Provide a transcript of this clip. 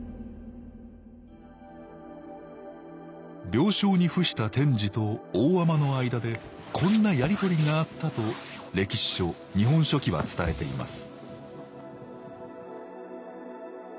病床に伏した天智と大海人の間でこんなやり取りがあったと歴史書「日本書紀」は伝えています